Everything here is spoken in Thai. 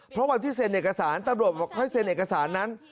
เพราะวันที่เซ็นเอกสารตำรวจบอกให้เซ็นเอกสารนั้น